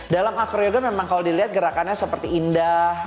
dalam acroyoga memang kalau dilihat gerakannya seperti indah